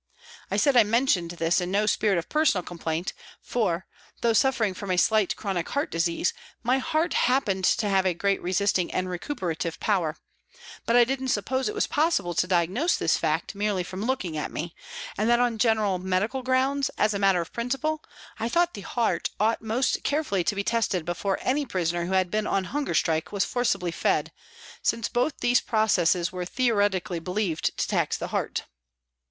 I said 1 mentioned this in no spirit of personal complaint, for, though suffering from slight chronic heart disease, my heart happened to have great resisting and recuperative power ; but I didn't suppose it was possible to diagnose this fact merely from looking at me, and that on general medical grounds, as a matter of principle, I thought the heart ought most carefully to be tested before any prisoner who had been on hunger strike was forcibly fed, since both these processes were theoretically believed to tax the heart.